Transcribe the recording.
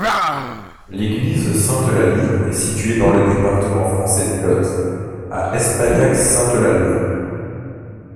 L'église Sainte-Eulalie est située dans le département français du Lot, à Espagnac-Sainte-Eulalie.